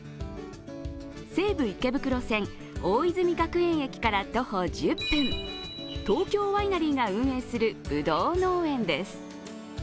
西武池袋線・大泉学園駅から徒歩１０分、東京ワイナリーが運営するぶどう農園です。